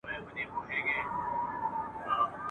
نه مي ډلي دي لیدلي دي د کارګانو ..